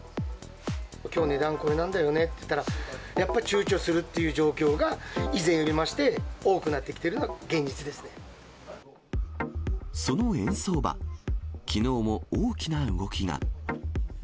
きょう値段こうなんだよねって言ったら、やっぱちゅうちょするっていう状況が以前よりも増して多くなってその円相場、きのうも大きな動きが。